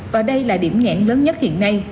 và đây là điểm nhãn lớn nhất hiện nay